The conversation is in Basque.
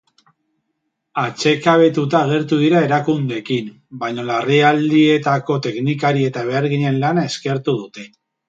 Atsekabetuta agertu dira erakundeekin, baina larrialdietako teknikari eta beharginen lana eskertu dute.